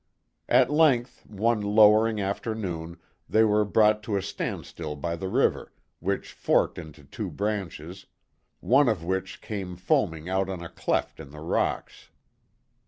At length, one lowering afternoon, they were brought to a standstill by the river, which forked into two branches, one of which came foaming out on a cleft in the rocks.